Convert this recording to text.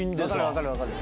分かる分かる。